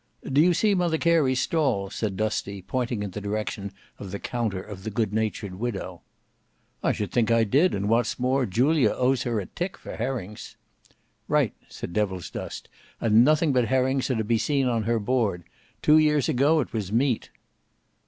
"Do you see Mother Carey's stall?" said Dusty, pointing in the direction of the counter of the good natured widow. "I should think I did; and what's more, Julia owes her a tick for herrings." "Right," said Devilsdust: "and nothing but herrings are to be seen on her board. Two years ago it was meat."